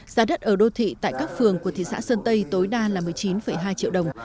giá đất ở đô thị tại các phường của thị xã sơn tây tối đa là một mươi chín hai triệu đồng